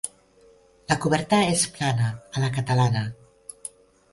La coberta és plana a la catalana.